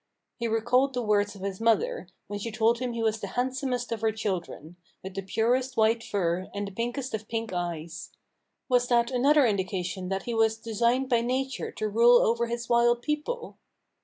He recalled the words of his mother, when she told him he was the handsomest of her children, with the purest white fur and the pinkest of pink eyes. Was that another indication that he was designed by nature to rule over his wild people?